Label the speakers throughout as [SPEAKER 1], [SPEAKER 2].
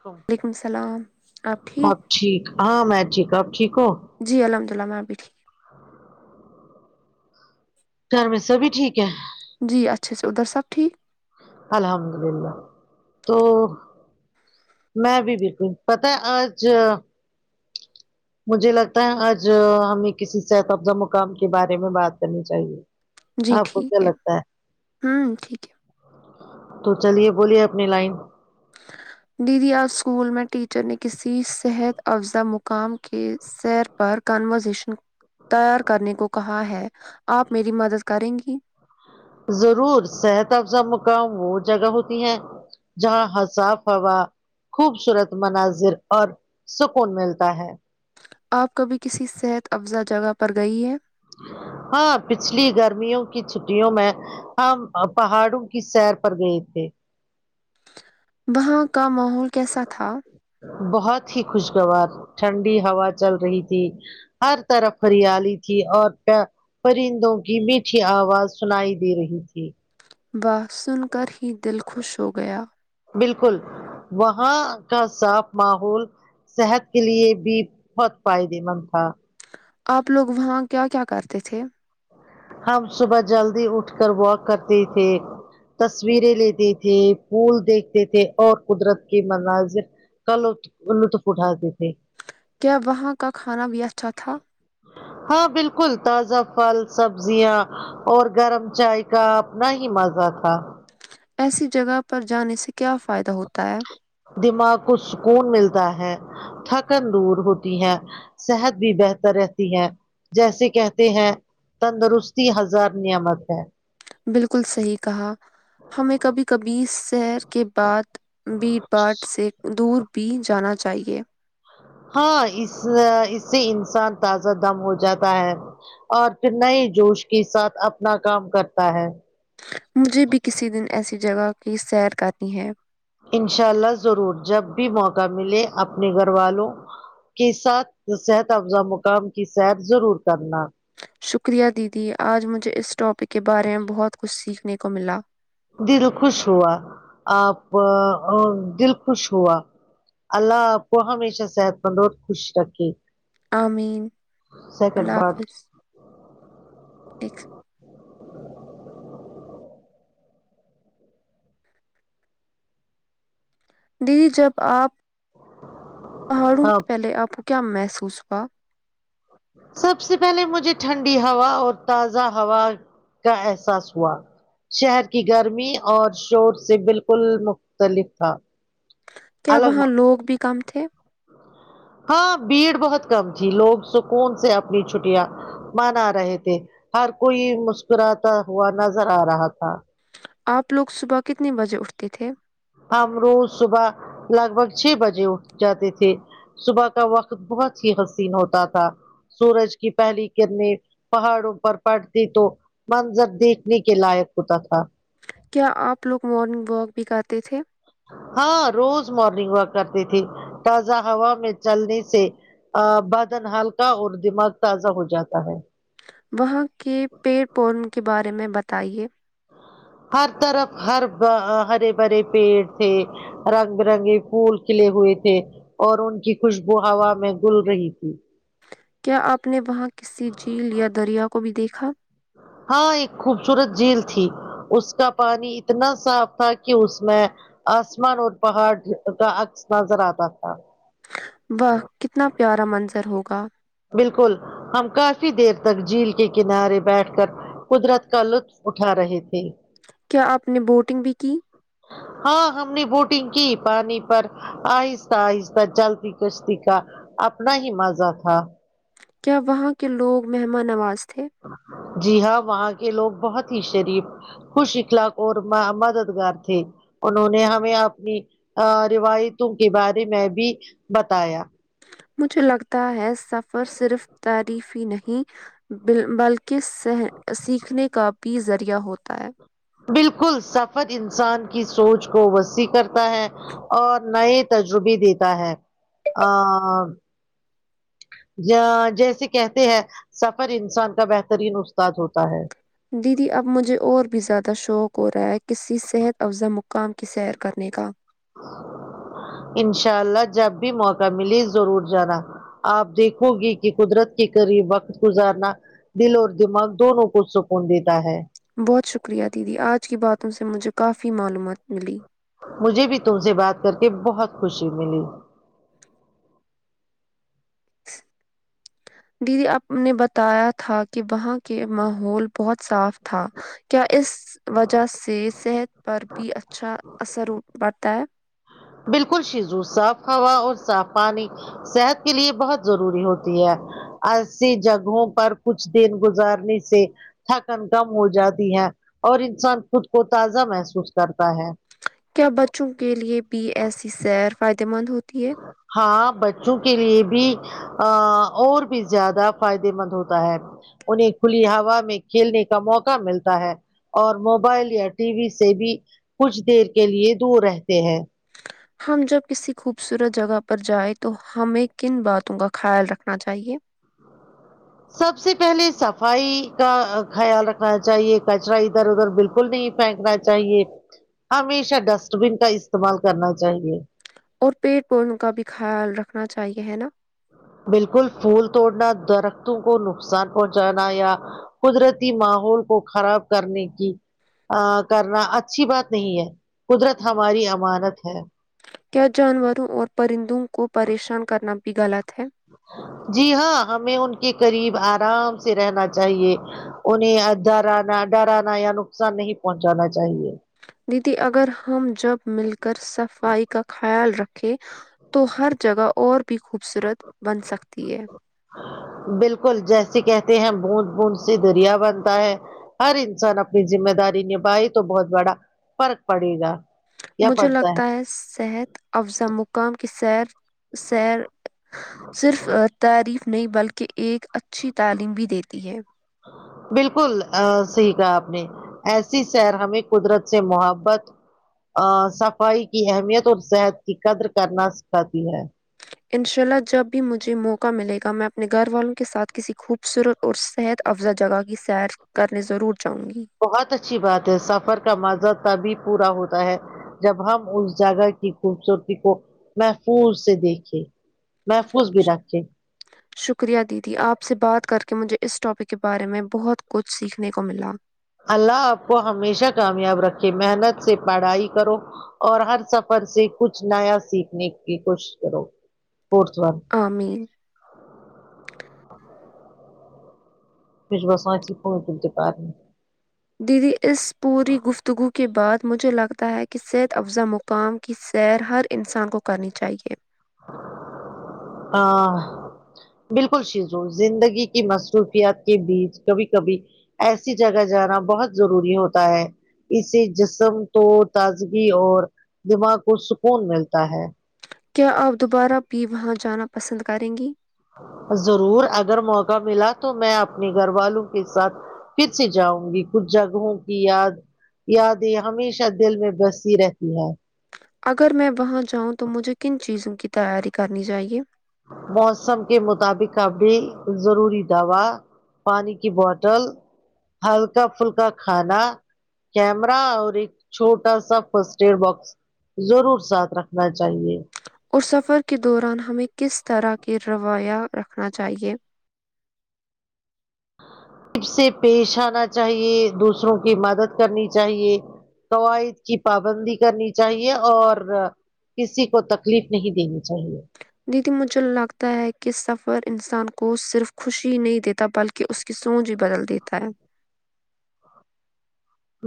[SPEAKER 1] کم آپ ٹھیک ہاں میں ٹھیک آپ ٹھیک ہوں
[SPEAKER 2] جی الحمد للہ میں بھی ٹھیک
[SPEAKER 1] گھر میں سبھی ٹھیک ہے
[SPEAKER 2] جی اچھے سے ادھر سب ٹھیک
[SPEAKER 1] الحمد للہ تو میں بھی بالکل پتہ ہے آج مجھے لگتا ہے آج ہمیں کسی صحت افزا مقام کے بارے میں بات کرنی چاہیے
[SPEAKER 2] جی
[SPEAKER 1] آپ کو
[SPEAKER 2] ٹھیک
[SPEAKER 1] کیا
[SPEAKER 2] ہے
[SPEAKER 1] لگتا
[SPEAKER 2] ہاں ٹھیک ہے
[SPEAKER 1] تو چلیے بولیے اپنی لائن
[SPEAKER 2] دیدی آج اسکول میں ٹیچر نے کسی صحت افزا مقام کے سیر پر کنپوزیشن تیار کرنے کو کہا ہے آپ میری مدد کریں گی
[SPEAKER 1] ضرور صحت افزا مقام وہ جگہ ہوتی ہیں جہاں حساف ہوا خوبصورت مناظر اور سکون ملتا ہے
[SPEAKER 2] آپ کبھی کسی صحت افزا جگہ پر گئی ہیں
[SPEAKER 1] ہاں پچھلی گرمیوں کی چھٹیوں میں ہم پہاڑوں کی سیر پر گئے تھے
[SPEAKER 2] وہاں کا ماحول کیسا تھا
[SPEAKER 1] بہت ہی خوشگوار ٹھنڈی ہوا چل رہی تھی ہر طرف ہریالی تھی اور کیا پرندوں کی میٹھی آواز سنائی دے رہی تھی
[SPEAKER 2] واہ سن کر ہی دل خوش ہو گیا
[SPEAKER 1] بالکل وہاں کا صاف ماحول صحت کے لیے بھی بہت فائدے مند تھا
[SPEAKER 2] آپ لوگ وہاں کیا کیا کرتے تھے
[SPEAKER 1] ہم صبح جلدی اٹھ کر واک کرتے تھے تصویریں لیتے تھے پھول دیکھتے تھے اور قدرت کے مناظر کا لط لطف اٹھا تے تھے
[SPEAKER 2] کیا وہاں کا کھانا بھی اچھا تھا
[SPEAKER 1] ہاں بالکل تازہ پھل سبزیاں اور گرم چائے کا اپنا ہی مزہ تھا
[SPEAKER 2] ایسی جگہ پر جانے سے کیا فائدہ ہوتا ہے
[SPEAKER 1] دماغ کو سکون ملتا ہے تھکن دور ہوتی ہے صحت بھی بہتر رہتی ہے جیسے کہتے ہیں تندرستی ہزار نعمت ہے
[SPEAKER 2] بالکل صحیح کہا ہمیں کبھی کبھی سیر بیٹ باٹ سے دور بھی جانا چاہیے
[SPEAKER 1] ہاں اس اس سے انسان تازہ دم ہو جاتا ہے اور پھر نئے جوش کے ساتھ اپنا کام کرتا ہے
[SPEAKER 2] مجھے بھی کسی دن ایسی جگہ کی سیر کرنی ہے
[SPEAKER 1] انشاء اللہ ضرور جب بھی موقع ملے اپنے گھر والوں کے ساتھ صحت افزا مقام کی سیر ضرور کرنا
[SPEAKER 2] شکریہ دیدی آج مجھے اس ٹاپک کے بارے میں بہت کچھ سیکھنے کو ملا
[SPEAKER 1] دل خوش ہوا آپ آ دل خوش ہوا اللہ اپکو ہمیشہ صحت مند اور خوش رکھے
[SPEAKER 2] آمین اللہ
[SPEAKER 1] سیکنڈ
[SPEAKER 2] حافظ
[SPEAKER 1] پارٹ
[SPEAKER 2] ایک دی جب آپ پہاڑوں
[SPEAKER 1] ہاں
[SPEAKER 2] پہلے آپ کو کیا محسوس ہوا
[SPEAKER 1] سب سے پہلے مجھے ٹھنڈی ہوا اور تازہ ہوا کا احساس ہوا شہر کی گرمی اور شور سے بالکل مختلف تھا
[SPEAKER 2] کیا
[SPEAKER 1] الگ ما
[SPEAKER 2] وہاں لوگ بھی کم تھے
[SPEAKER 1] ہاں بھیڑ بہت کم تھی لوگ سکون سے اپنی چھٹیاں منا آ رہے تھے ہر کوئی مسکراتا ہوا نظر آ رہا تھا
[SPEAKER 2] آپ لوگ صبح کتنے بجے اٹھتے تھے
[SPEAKER 1] ہم روز صبح لگ بھگ چھ بجے اٹھ جاتے تھے صبح کا وقت بہت ہی حسین ہوتا تھا سورج کی پہلی کررنیں پہاڑوں پر پڑتی تو منظر دیکھنے کے لائق ہوتا تھا
[SPEAKER 2] کیا آپ لوگ مارننگ واک بھی کرتے تھے
[SPEAKER 1] ہاں روز مارننگ واک کرتی تھی تازہ ہوا میں چلنے سے بدن ہلکا اور دماغ تازہ ہو جاتا ہے
[SPEAKER 2] وہاں کے پیڑ پورن کے بارے میں بتائیے
[SPEAKER 1] ہر طرف ہر ہرے بھرے پیڑ تھے رنگ برنگے پھول کھلے ہوئے تھے اور ان کی خوشبو ہوا میں گل رہی تھی
[SPEAKER 2] کیا آپ نے وہاں کسی جھیل یا دریا کو بھی دیکھا
[SPEAKER 1] ہاں ایک خوبصورت جھیل تھی اس کا پانی اتنا صاف تھا کی اس میں آسمان اور پہاڑ کا عکس نظر آتا تھا
[SPEAKER 2] واہ کتنا پیارا منظر ہوگا
[SPEAKER 1] بالکل ہم کافی دیر تک جھیل کے کنارے بیٹھ کر قدرت کا لطف اٹھا رہے تھے
[SPEAKER 2] کیا آپ نے بوٹنگ بھی کی
[SPEAKER 1] ہاں ہم نے بوٹنگ کی پانی پر آہستہ آہستہ جلتی کشتی کا اپنا ہی مزہ تھا
[SPEAKER 2] کیا وہاں کے لوگ مہمان نواز تھے
[SPEAKER 1] جی ہاں وہاں کے لوگ بہت ہی شریف خوش اخلاق اور مددگار تھے انہوں نے ہمیں اپنی روایتوں کے بارے میں بھی بتایا
[SPEAKER 2] مجھے لگتا ہے سفر صرف تعریف ہی نہیں بل بلکی س سیکھنے کا بھی ذریعہ ہوتا ہے
[SPEAKER 1] بالکل سفد انسان کی سوچ کو وسیع کرتا ہے اور نئے تجربے دیتا ہے آ جا جیسے کہتے ہیں سفر انسان کا بہترین استاد ہوتا ہے
[SPEAKER 2] دیدی اب مجھے اور بھی زیادہ شوق ہو رہا ہے کسی صحت افزا مقام کی سیر کرنے کا
[SPEAKER 1] انشاء اللہ جب بھی موقع ملی ضرور جانا آپ دیکھو گی کہ قدرت کے قریب وقت گزارنا دل اور دماغ دونوں کو سکون دیتا ہے
[SPEAKER 2] بہت شکریہ دیدی آج کی باتوں سے مجھے کافی معلومات ملی
[SPEAKER 1] مجھے بھی تم سے بات کر کے بہت خوشی ملی
[SPEAKER 2] دیدی آپ نے بتایا تھا کہ وہاں کے ماحول بہت صاف تھا کیا اس وجہ سے صحت پر بھی اچھا اثر پڑتا ہے
[SPEAKER 1] بالکل شیزو صاف ہوا اور صاف پانی صحت کے لیے بہت ضروری ہوتی ہے ایسی جگہوں پر کچھ دن گزارنے سے تھکن کم ہو جاتی ہے اور انسان خود کو تازہ محسوس کرتا ہے
[SPEAKER 2] کیا بچوں کے لیے پی ایسی سیر فائدے مند ہوتی ہے
[SPEAKER 1] ہاں بچوں کے لیے بھی ا اور بھی زیادہ فائدے مند ہوتا ہے انہیں کھلی ہوا میں کھیلنے کا موقع ملتا ہے اور موبائل یا ٹی وی سے بھی کچھ دیر کے لیے دور رہتے ہیں
[SPEAKER 2] ہم جب کسی خوبصورت جگہ پر جائیں تو ہمیں کن باتوں کا خیال رکھنا چاہیے
[SPEAKER 1] سب سے پہلے صفائی کا خیال رکھنا چاہیے کچرا ادھر ادھر بالکل نہیں پھینکنا چاہیے ہمیشہ ڈسٹ بن کا استعمال کرنا چاہیے
[SPEAKER 2] اور پیڑ پودوں کا بھی خیال رکھنا چاہیے ہے نا
[SPEAKER 1] بالکل پھول توڑنا درختوں کو نقصان پہنچانا یا قدرتی ماحول کو خراب کرنے کی کرنا اچھی بات نہیں ہے قدرت ہماری امانت ہے
[SPEAKER 2] کیا جانوروں اور پرندوں کو پریشان کرنا بھی غلط ہے
[SPEAKER 1] جی ہاں ہمیں ان کے قریب آرام سے رہنا چاہیے انہیں درانا ڈرانا یا نقصان نہیں پہنچانا چاہیے
[SPEAKER 2] دیدی اگر ہم جب مل کر صفائی کا خیال رکھے تو ہر جگہ اور بھی خوبصورت بن سکتی ہے
[SPEAKER 1] بالکل جیسے کہتے ہیں بوند بوند سے دریا بنتا ہے ہر انسان اپنی ذمہ داری نبھائے تو بہت بڑا فرق پڑے گا یا
[SPEAKER 2] مجھے
[SPEAKER 1] پڑتا
[SPEAKER 2] لگتا ہے صحت افزا مقام کی سیر سیر صرف تعریف نہیں بلکہ ایک اچھی تعلیم بھی دیتی ہے
[SPEAKER 1] بالکل صحیح کہا آپ نے ایسی سیر ہمیں قدرت سے محبت صفائی کی اہمیت اور صحت کی قدر کرنا سکھاتی ہے
[SPEAKER 2] انشاء اللہ جب بھی مجھے موقع ملے گا میں اپنے گھر والوں کے ساتھ کسی خوبصورت اور صحت افزا جگہ کی سیر کرنے ضرور جاؤں گی
[SPEAKER 1] بہت اچھی بات ہے سفر کا مزہ تبھی پورا ہوتا ہے جب ہم اس جگہ کی خوبصورتی کو محفوظ سے دیکھے محفوظ بھی رکھیں
[SPEAKER 2] شکریہ دیدی آپ سے بات کر کے مجھے اس ٹاپک کے بارے میں بہت کچھ سیکھنے کو ملا
[SPEAKER 1] اللہ آپ کو ہمیشہ کامیاب رکھے محنت سے پڑھائی کرو اور ہر سفر سے کچھ نیا سیکھنے کی کوشش کرو [unintelligible]
[SPEAKER 2] ا مین
[SPEAKER 1] [unintelligible]
[SPEAKER 2] دیدی اس پوری گفتگو کے بعد مجھے لگتا ہے کہ صحت افزا مق ام کی سیر ہر انسان کو کرنی چاہیے
[SPEAKER 1] ہاں بالکل شیزوں زندگی کی مصروفیات کے بیچ کبھی کبھی ایسی جگہ جانا بہت ضروری ہوتا ہے اس سے جسم تو تازگی اور دماغ کو سکون ملتا ہے
[SPEAKER 2] کیا آپ دوبارہ بھی وہاں جانا پسند کریں گی
[SPEAKER 1] ضرور اگر موقع ملا تو میں اپنے گھر والوں کے ساتھ پھر سے جاؤں گی کچھ جگہوں کی یاد یادیں ہمیشہ دل میں بسی رہتی ہے
[SPEAKER 2] اگر میں وہاں جاؤں تو مجھے کن چیزوں کی تیاری کرنی چاہیے
[SPEAKER 1] موسم کے مطابق ابھی ضروری دوا پانی کی بوٹل ہلکا پھلکا کھانا کیمرا اور ایک چھوٹا سا فسٹ ایڈ باکس ضرور ساتھ رکھنا چاہیے
[SPEAKER 2] اور سفر کے دوران ہمیں کس طرح کے رویہ رکھنا چاہیے
[SPEAKER 1] سے پیش آنا چاہیے دوسروں کی مدد کرنی چاہیے قوعد کی پابندی کرنی چاہیے اور کسی کو تکلیف نہیں دینی چاہیے
[SPEAKER 2] دیدی مجھے لگتا ہے کہ سفر انسان کو صرف خوشی ہی نہیں دیتا بلکہ کہ اس کی سوج بھی بدل دیتا ہے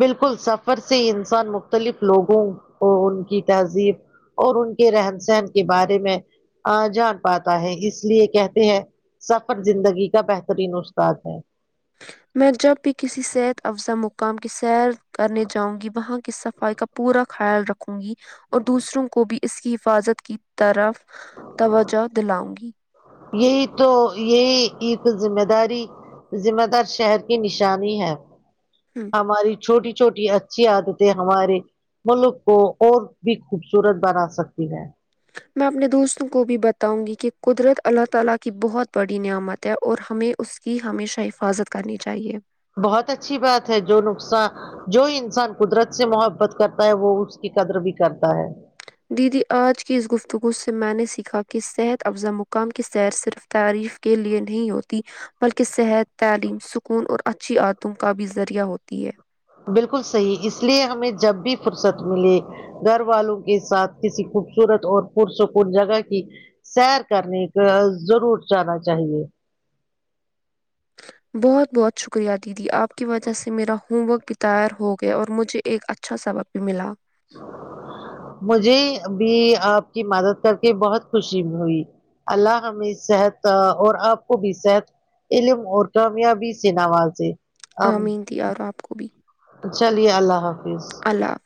[SPEAKER 1] بالکل سفر سے انسان مختلف لوگوں کو ان کی تہذیب اور ان کے رہن سہن کے بارے میں ا جان پاتا ہے اس لیے کہتے ہیں سفر زندگی کا بہترین استاد ہے
[SPEAKER 2] میں جب بھی کسی صحت افزا مقام کی سیر کرنے جاؤں گی وہاں کی صفائی کا پورا خیال رکھوں گی اور دوسروں کو بھی اس کی حفاظت کی طرف توجہ دلاؤں گی
[SPEAKER 1] یہی تو یہی ایک ذمہ داری ذمہ دار شہر کی نشانی ہے
[SPEAKER 2] ہوں
[SPEAKER 1] ہماری چھوٹی چھوٹی اچھی عادتیں ہمارے ملک کو اور بھی خوبصورت بنا سکتی ہے
[SPEAKER 2] میں اپنے دوستوں کو بھی بتاؤں گی کہ قدرت اللہ تعالی کی بہت بڑی نعمت ہے اور ہمیں اس کی ہمیشہ حفاظت کرنی چاہیے
[SPEAKER 1] بہت اچھی بات ہے جو نقصان جو انسان قدرت سے محبت کرتا ہے وہ اس کی قدر بھی کرتا ہے
[SPEAKER 2] دیدی آج کی اس گفتگو سے میں نے سیکھا کہ صحت افزا مقام کی سیر صرف تعریف کے لیے نہیں ہوتی بلکہ صحت تعلیم سکون اور اچھی عادتو کا بھی ذریعہ ہوتی ہے
[SPEAKER 1] بالکل صحیح اس لیے ہمیں جب بھی فرصت ملے گھر والوں کے ساتھ کسی خوبصورت اور پرسکون جگہ کی سیر کرنی کا ضرور جانا چاہیے
[SPEAKER 2] بہت بہت شکریہ دیدی آپ کی وجہ سے میرا ہوم ورک بھی تائار ہو گیا اور مجھے ایک اچھا سبق ملا
[SPEAKER 1] مجھے بھی آپ کی مدد کر کے بہت خوشی ہوئی اللہ ہمیں صحت اور آپ کو بھی صحت علم اور کامیابی سے نوازے اب
[SPEAKER 2] آامد دییار ہو آپ کو بھی
[SPEAKER 1] چلیے اللہ حافظ
[SPEAKER 2] الله